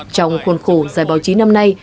trong khuôn khổ giải báo chí năm nay